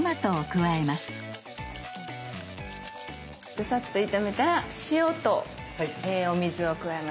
でサッと炒めたら塩とお水を加えます。